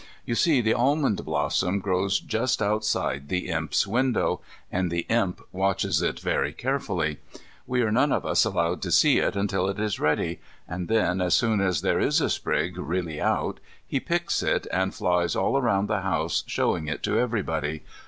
You see, the almond blossom grows just outside the Imp's window, and the Imp watches it very carefully. We are none of us allowed to see it until it is ready, and then, as soon as there is a sprig really out, he picks it and flies all round the house showing it to everybody.